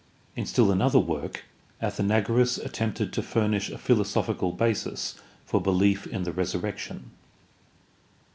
In still another work Athenagoras attempted to furnish a philosophical basis for behef in the resurrection.